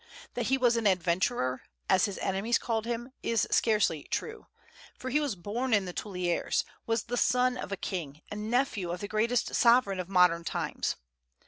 That he was an adventurer as his enemies called him is scarcely true; for he was born in the Tuileries, was the son of a king, and nephew of the greatest sovereign of modern times.